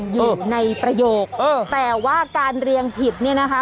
อยู่ในประโยคแต่ว่าการเรียงผิดเนี่ยนะคะ